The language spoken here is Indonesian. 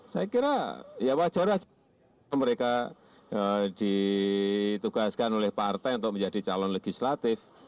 saya kira ya wajar saja mereka ditugaskan oleh partai untuk menjadi calon legislatif